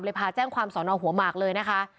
พาแจ้งความสอนอหัวหมากเลยนะคะ